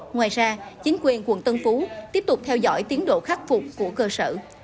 ngoài ra chính quyền quận tân phú tiếp tục theo dõi tiến độ khắc phục của cơ sở